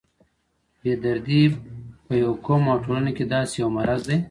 بې دردي په یو قوم او ټولنه کې داسې یو مرض دی.